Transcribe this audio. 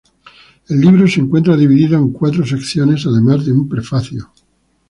El libro se encuentra dividido en cuatro secciones, además de un prefacio.